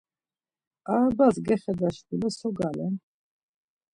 Arabas gexeda şkule so galen?